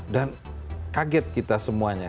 dan kaget kita semuanya